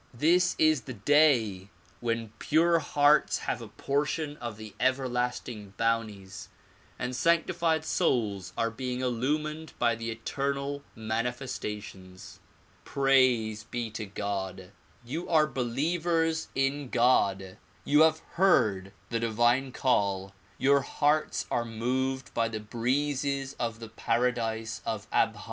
This is the day when pure hearts have a portion of the ever lasting bounties and sanctified souls are being illumined by the eternal manifestations. Praise be to God! you are believers in God, assured by the words of God and turning to the kingdom of God. You have heard the divine call. Your hearts are moved by the breezes of the paradise of Abha.